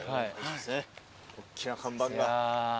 おっきな看板が。